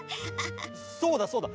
そうだそうだ！